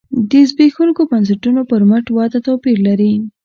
د زبېښونکو بنسټونو پر مټ وده توپیر لري.